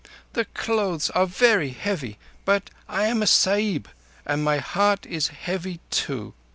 The clothes are very heavy, but I am a Sahib and my heart is heavy too.